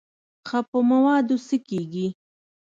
ښه په موادو څه کېږي.